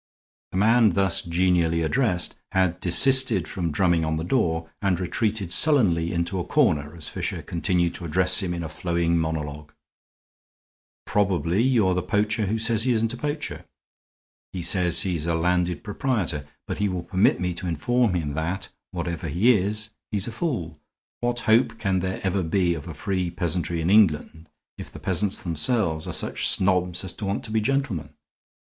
The man thus genially addressed had desisted from drumming on the door and retreated sullenly into a corner as Fisher continued to address him in a flowing monologue. "Probably you are the poacher who says he isn't a poacher. He says he's a landed proprietor; but he will permit me to inform him that, whatever he is, he's a fool. What hope can there ever be of a free peasantry in England if the peasants themselves are such snobs as to want to be gentlemen?